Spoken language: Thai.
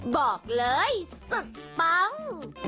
บอกเลยสุดปัง